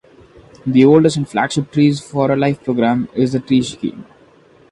The oldest and flagship Trees For Life program is the Tree Scheme.